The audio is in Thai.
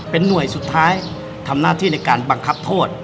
เป็นหน่วยสุดท้ายทำหน้าที่ในการบังคับโทษ